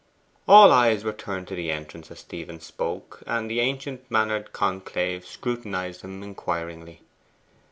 All eyes were turned to the entrance as Stephen spoke, and the ancient mannered conclave scrutinized him inquiringly.